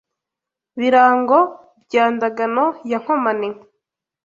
Birago bya Ndagano ya Nkomane